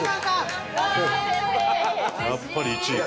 やっぱり１位か。